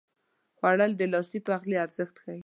خوړل د لاسي پخلي ارزښت ښيي